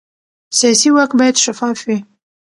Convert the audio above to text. سیاسي واک باید شفاف وي